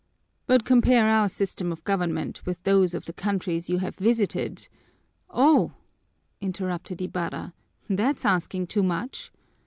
But compare our system of government with those of the countries you have visited " "Oh!" interrupted Ibarra, "that's asking too much!